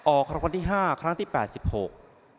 ออกคำวัติห้าครั้งที่แปดสิบหก